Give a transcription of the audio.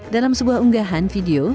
dalam sebuah unggahan video